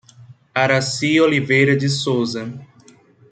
Araci Oliveira de Souza